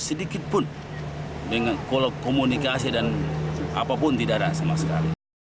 sedikitpun dengan komunikasi dan apapun tidak ada sama sekali